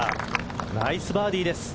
ナイスバーディーです。